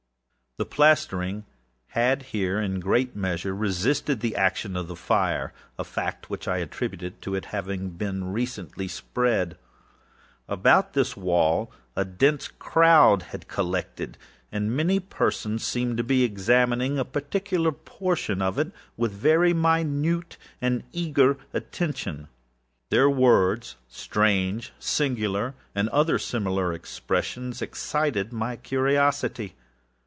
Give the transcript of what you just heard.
The plastering had here, in great measure, resisted the action of the fireâa fact which I attributed to its having been recently spread. About this wall a dense crowd were collected, and many persons seemed to be examining a particular portion of it with very minute and eager attention. The words âstrange!â âsingular!â and other similar expressions, excited my curiosity.